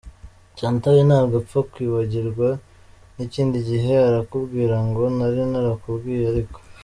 Chantal ntabwo apfa kwibagirwa n’ikindi gihe arakubwira ngo nari narakubwiye ariko.